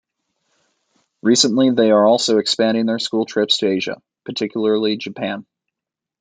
Recently they are also expanding their school trips to Asia, particularly Japan.